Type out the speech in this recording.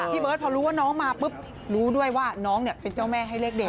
เบิร์ตพอรู้ว่าน้องมาปุ๊บรู้ด้วยว่าน้องเป็นเจ้าแม่ให้เลขเด่น